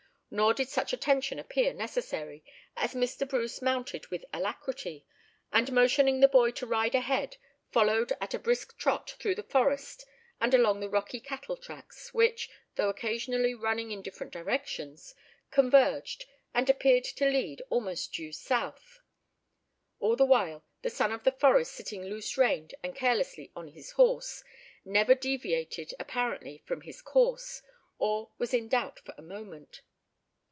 Nor did such attention appear necessary, as Mr. Bruce mounted with alacrity, and motioning the boy to ride ahead followed at a brisk trot through the forest and along the rocky cattle tracks, which, though occasionally running in different directions, converged, and appeared to lead almost due south. All the while, the son of the forest sitting loose reined and carelessly on his horse, never deviated apparently from his course, or was in doubt for a moment.